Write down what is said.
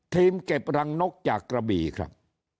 เก็บรังนกจากกระบี่ครับ